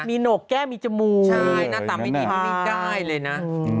มีหนกแก้มีจมูกใช่หน้าตาไม่ดิ้นไม่ได้เลยนะ